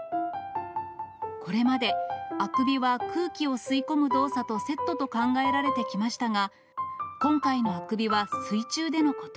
これまで、あくびは空気を吸い込む動作とセットと考えられてきましたが、今回のあくびは水中でのこと。